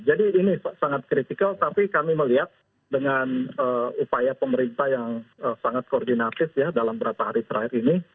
ini sangat kritikal tapi kami melihat dengan upaya pemerintah yang sangat koordinatif ya dalam beberapa hari terakhir ini